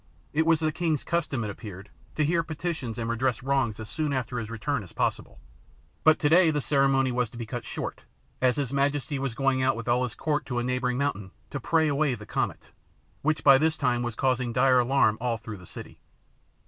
It was the king's custom, it appeared, to hear petitions and redress wrongs as soon after his return as possible, but today the ceremony was to be cut short as his majesty was going out with all his court to a neighbouring mountain to "pray away the comet," which by this time was causing dire alarm all through the city.